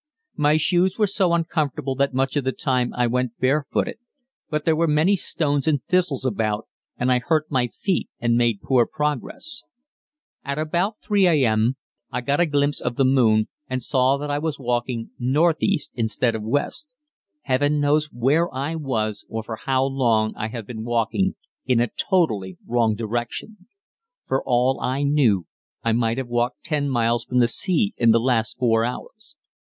My shoes were so uncomfortable that much of the time I went barefooted, but there were many stones and thistles about and I hurt my feet and made poor progress. At about 3 a.m. I got a glimpse of the moon and saw that I was walking northeast instead of west. Heaven knows where I was or for how long I had been walking in a totally wrong direction. For all I knew I might have walked 10 miles from the sea in the last four hours.